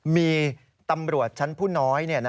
มีตำรวจชั้นผู้น้อย